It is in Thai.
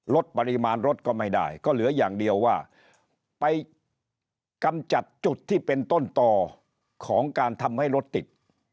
ลดปริมาณรถก็ไม่ได้ก็เหลืออย่างเดียวว่าไปกำจัดจุดที่เป็นต้นต่อของการทำให้รถติด